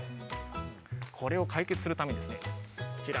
これを解決するために、こちら。